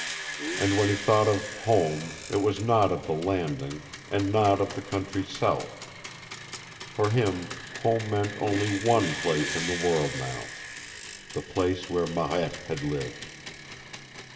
And when he thought of home, it was not of the Landing, and not of the country south. For him home meant only one place in the world now the place where Marette had lived.